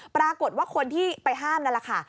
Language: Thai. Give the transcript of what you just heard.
ปรากฏว่าคนที่ไปห้ามนั่นแหละค่ะ